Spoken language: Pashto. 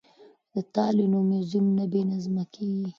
که تال وي نو موزیک نه بې نظمه کیږي.